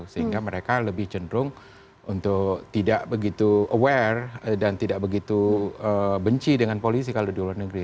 sehingga mereka lebih cenderung untuk tidak begitu aware dan tidak begitu benci dengan polisi kalau di luar negeri